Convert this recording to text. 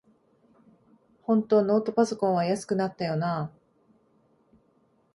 ほんとノートパソコンは安くなったよなあ